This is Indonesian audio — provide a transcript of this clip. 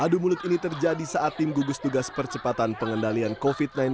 adu mulut ini terjadi saat tim gugus tugas percepatan pengendalian covid sembilan belas